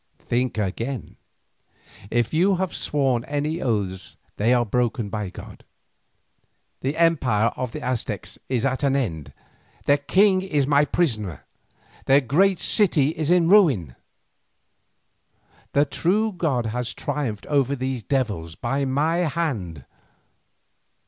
Think again. If you have sworn any oaths they are broken by God. The empire of the Aztecs is at an end, their king is my prisoner, their great city is a ruin. The true God has triumphed over these devils by my hand.